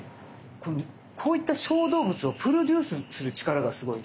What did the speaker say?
こういった小動物をプロデュースする力がすごい。